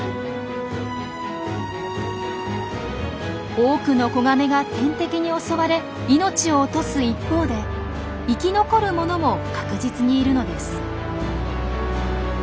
多くの子ガメが天敵に襲われ命を落とす一方で生き残るものも確実にいるのです。